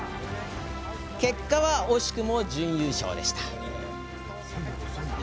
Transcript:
結果は、惜しくも準優勝でした。